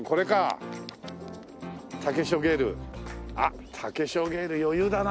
あっタケショウゲイル余裕だな。